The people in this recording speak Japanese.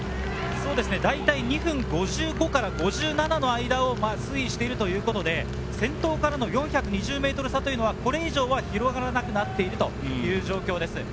だいたい２分５５から５７の間を推移しているということで、先頭からの４２０ｍ差というのは、これ以上は広がらなくなっているという状況です。